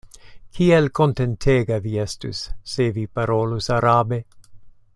Kiel kontentega vi estus, se vi parolus arabe.